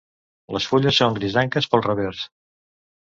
Les fulles son grisenques pel revers.